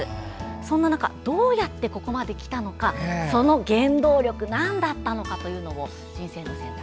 そんな中、どうやってここまできたのかその原動力が何だったのか人生の選択